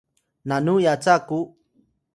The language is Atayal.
nanu yaca ku